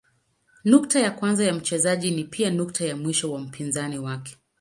Nukta ya kwanza ya mchezaji ni pia nukta ya mwisho wa mpinzani wake.